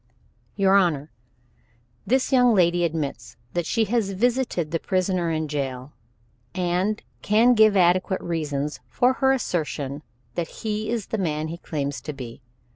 "Your Honor, this young lady admits that she has visited the prisoner in the jail, and can give adequate reason for her assertion that he is the man he claims to be.